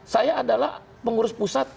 saya adalah pengurus pusat